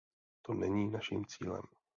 To není naším cílem.